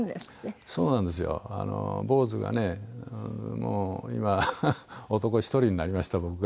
もう今男１人になりました僕が。